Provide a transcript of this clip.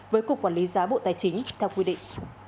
với cục quản lý giá bộ tài chính theo quy định